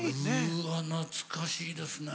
うわ懐かしいですね。